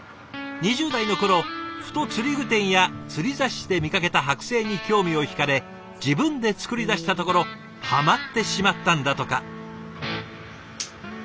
２０代の頃ふと釣り具店や釣り雑誌で見かけた剥製に興味を引かれ自分で作り出したところはまってしまったんだとか。